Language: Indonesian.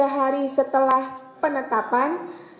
tiga hari setelah penetapan